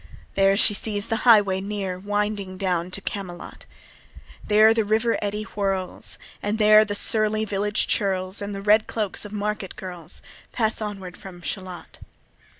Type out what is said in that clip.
There she sees the highway near Winding down to Camelot: There the river eddy whirls, And there the surly village churls, And the red cloaks of market girls, Pass onward from Shalott.